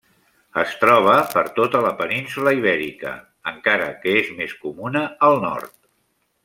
Es troba per tota la península Ibèrica, encara que és més comuna al nord.